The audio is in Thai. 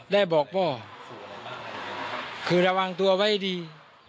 ได้บอกพ่อคือระวังตัวไว้ดี